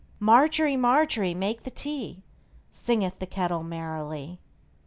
Margery, Margery, make the tea, Singeth the kettle merrily.